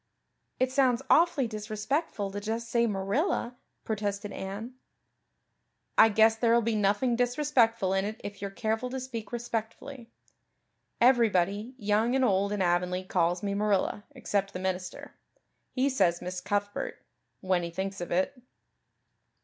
"It sounds awfully disrespectful to just say Marilla," protested Anne. "I guess there'll be nothing disrespectful in it if you're careful to speak respectfully. Everybody, young and old, in Avonlea calls me Marilla except the minister. He says Miss Cuthbert when he thinks of it."